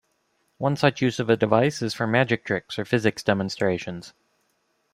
One use of such a device is for magic tricks or physics demonstrations.